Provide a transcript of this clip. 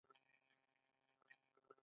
آیا دوی د الوتکو پرزې نه جوړوي؟